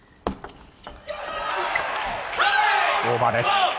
オーバーです。